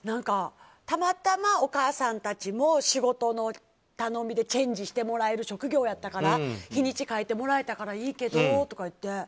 たまたまお母さんたちも仕事の頼みでチェンジしてもらえる職業やったから日にち変えてもらえたからいいけどって。